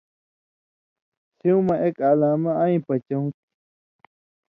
سېوں مہ اک علامہ اَیں پچؤں تھی۔